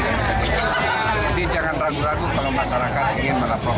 jadi jangan ragu ragu kalau masyarakat ingin melaporkan